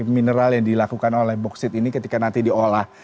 mineral yang dilakukan oleh boksit ini ketika nanti diolah